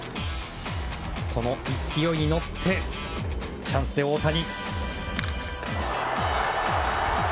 その勢いに乗ってチャンスで大谷。